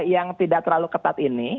yang tidak terlalu ketat ini